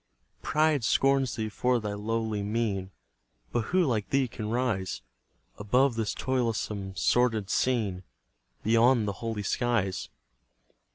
Pride scorns thee for thy lowly mien, But who like thee can rise Above this toilsome, sordid scene, Beyond the holy skies?